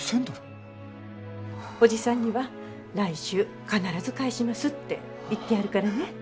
おじさんには来週必ず返しますって言ってあるからね。